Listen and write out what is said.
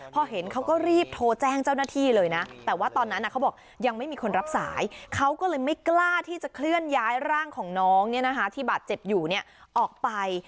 พอเห็นเขาก็รีบโทรแจ้งเจ้าหน้าที่เลยนะแต่ว่าตอนนั้นเขาบอกยังไม่มีคนรับสายเขาก็เลยไม่กล้าที่จะเคลื่อนย้ายร่างของน้องที่บาดเจ็บอยู่ออกไป